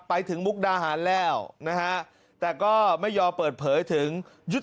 ไปถึงมุกดาหารแล้วนะฮะแต่ก็ไม่ยอมเปิดเผยถึง